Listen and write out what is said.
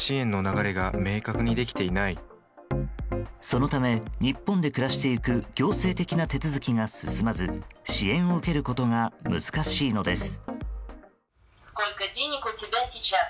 そのため、日本で暮らしていく行政的な手続きが進まず支援を受けることが難しいのです。